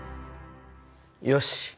よし！